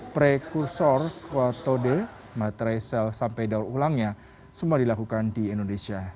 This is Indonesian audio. prekursor kotode baterai sel sampai daul ulangnya semua dilakukan di indonesia